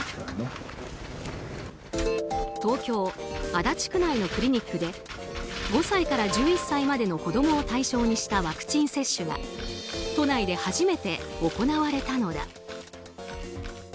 東京・足立区内のクリニックで５歳から１１歳までの子供を対象にしたワクチン接種が都内で初めて行われたのだ。